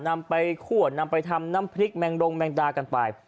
นำไปคั่วนำไปทำน้ำพริกแมงดงแมงดากันไป